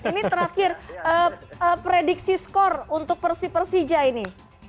ini terakhir prediksi skor untuk persi persija ini